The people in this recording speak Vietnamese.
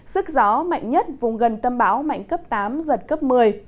sức gió mạnh nhất vùng gần tầm áp thấp nhiệt đới mạnh cấp tám giật cấp một mươi